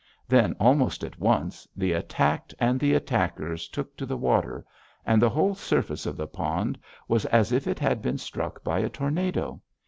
Then, almost at once, the attacked and the attackers took to the water, and the whole surface of the pond was as if it had been struck by a tornado.